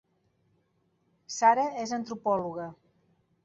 Sara és antropòloga